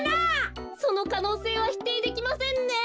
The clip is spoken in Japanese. そのかのうせいはひていできませんね。